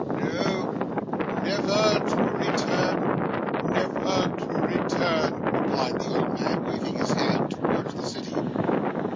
'No never to return never to return' replied the old man, waving his hand towards the city.